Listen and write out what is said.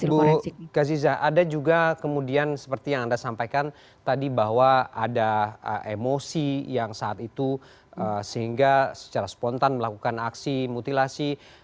bu kaziza ada juga kemudian seperti yang anda sampaikan tadi bahwa ada emosi yang saat itu sehingga secara spontan melakukan aksi mutilasi